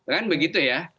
kan begitu ya